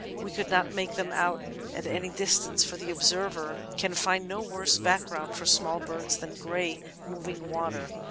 We could not make them out at any distance, for the observer can find no worse background for small birds than grey, moving water.